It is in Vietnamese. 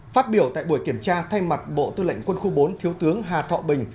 phát biểu tại buổi kiểm tra thay mặt bộ tư lệnh quân khu bốn thiếu tướng hà thọ bình